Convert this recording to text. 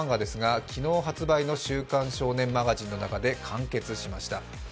昨日発売の「週刊少年マガジン」の中で完結しました。